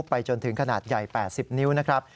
ไปจนถึงขนาดใหญ่๘๐นิ้วนะครับ